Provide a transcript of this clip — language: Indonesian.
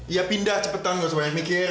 iya pindah cepetan nggak usah banyak mikir